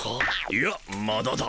いやまだだ。